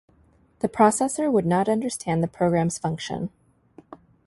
The processor would not understand the program's function.